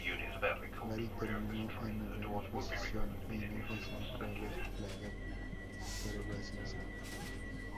Bari terminó en novena posición y no clasificó a los play-off por el ascenso.